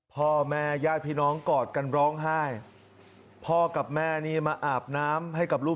พ่อแม่ญาติพี่น้องกอดกันร้องไห้พ่อกับแม่นี่มาอาบน้ำให้กับลูก